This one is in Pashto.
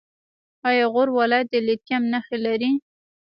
آیا غور ولایت د لیتیم نښې لري؟